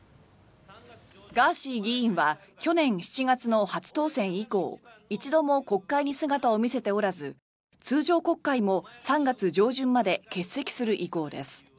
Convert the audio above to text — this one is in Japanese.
ガーシー議員は去年７月の初当選以降一度も国会に姿を見せておらず通常国会も３月上旬まで欠席する意向です。